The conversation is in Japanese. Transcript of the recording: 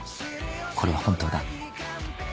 これは本当だ」